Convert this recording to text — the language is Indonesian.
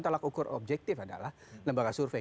tolak ukur objektif adalah lembaga survei